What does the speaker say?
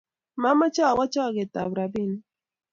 Mamache awe chogetab robinik